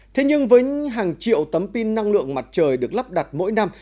thế nhưng với hàng triệu tấm pin năng lượng mặt trời được lắp đặt mỗi năm